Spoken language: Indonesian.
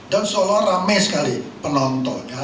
dan seolah olah rame sekali penonton